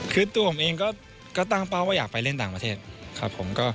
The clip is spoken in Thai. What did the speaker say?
คือตัวผมเองก็ตั้งเป้าว่าอยากไปเล่นต่างประเทศครับผม